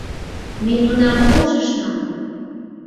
Ме тунам полшышна мо?